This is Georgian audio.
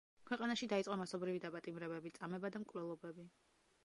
ქვეყანაში დაიწყო მასობრივი დაპატიმრებები, წამება და მკვლელობები.